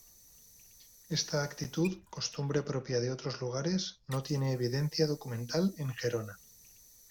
Esta actitud, costumbre propia de otros lugares, no tiene evidencia documental en Gerona.